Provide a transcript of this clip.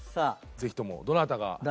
ぜひともどなたが？